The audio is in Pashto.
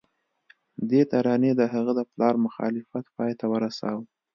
دې ترانې د هغه د پلار مخالفت پای ته ورساوه